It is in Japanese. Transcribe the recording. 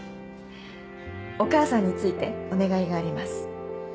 「お母さんについてお願いがあります」